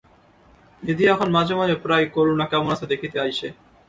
নিধি এখন মাঝে মাঝে প্রায়ই করুণা কেমন আছে দেখিতে আইসে।